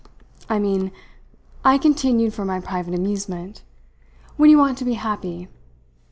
I mean," I continued for my private amusement, "when you want to be happy.